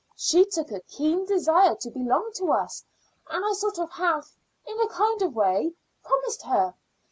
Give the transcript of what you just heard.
She took a keen desire to belong to us, and I sort of half, in a kind of a way, promised her.